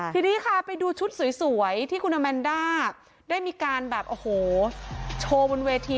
ทีนี้ค่ะไปดูชุดสวยที่คุณอแมนด้าได้มีการแบบโอ้โหโชว์บนเวที